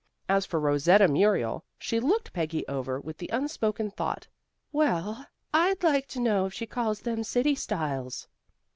As for Rosetta Muriel, she looked Peggy over with the unspoken thought, "Well, I'd like to know if she calls them city styles."